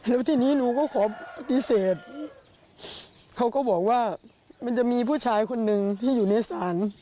แล้วทีนี้หนูก็ขอปฏิเสธเขาก็บอกว่ามันจะมีผู้ชายคนหนึ่งที่อยู่ในศาล